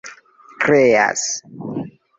kreas